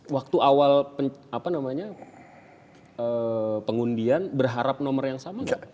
waktu awal pengundian berharap nomor yang sama nggak